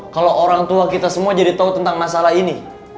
kalau orang tua kita semua jadi tahu tentang masalah ini